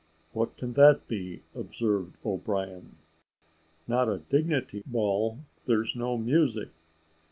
"What can that be?" observed O'Brien: "not a dignity ball there is no music."